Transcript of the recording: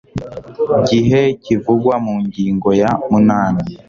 gihe kivugwa mu ngingo ya munani